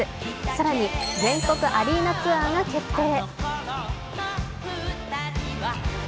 更に全国アリーナツアーが決定。